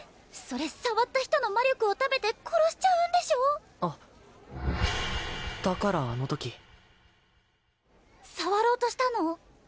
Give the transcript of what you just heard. それ触った人の魔力を食べて殺しちゃうんでしょあっだからあのとき触ろうとしたの？